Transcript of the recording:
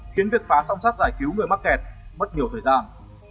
khiến việc phá song sắt giải cứu người mắc kẹt mất nhiều thời gian